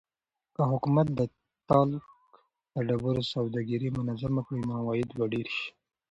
که حکومت د تالک د ډبرو سوداګري منظمه کړي نو عواید به ډېر شي.